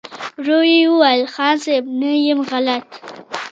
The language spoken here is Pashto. ورو يې وويل: خان صيب! نه يم غلط.